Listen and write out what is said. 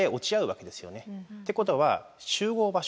ってことは集合場所。